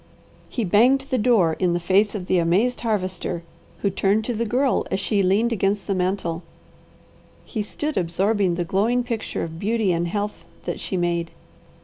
He banged the door in the face of the amazed Harvester, who turned to the Girl as she leaned against the mantel. He stood absorbing the glowing picture of beauty and health that she made.